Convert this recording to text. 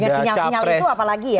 sinyal sinyal itu apalagi ya